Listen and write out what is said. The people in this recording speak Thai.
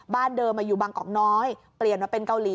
เดิมอยู่บางกอกน้อยเปลี่ยนมาเป็นเกาหลี